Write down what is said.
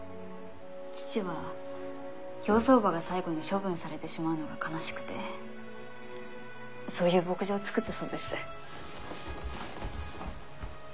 父は競走馬が最後に処分されてしまうのが悲しくてそういう牧場を作ったそうです。